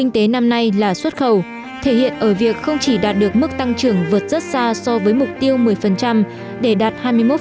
hay là xuất khẩu thể hiện ở việc không chỉ đạt được mức tăng trưởng vượt rất xa so với mục tiêu một mươi để đạt hai mươi một